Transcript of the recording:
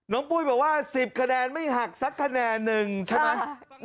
ปุ้ยบอกว่า๑๐คะแนนไม่หักสักคะแนนหนึ่งใช่ไหม